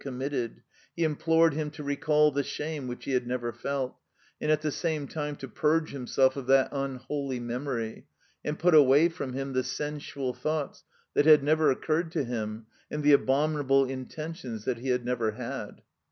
committed; he implored him to recall the shame which he had never felt, and at the same time to purge himself of that tmholy memory, and put away from him the sensual thoughts that had never occurred to him and the abominable intentions that he had never had.